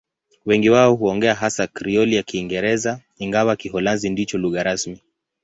Wengi wao huongea hasa Krioli ya Kiingereza, ingawa Kiholanzi ndicho lugha rasmi.